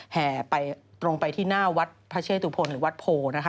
แห่ไปตรงไปที่หน้าวัดพระเชตุพลหรือวัดโพ